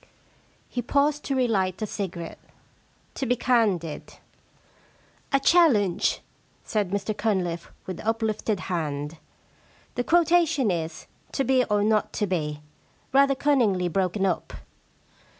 He paused to relight a cigarette. * To be can did '* I challenge/ said Mr Cunliffe, with up lifted hand. ' The quotation is, "To be or not to be,*' rather cunningly broken up.